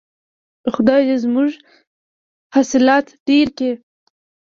خدای دې زموږ حاصلات ډیر کړي.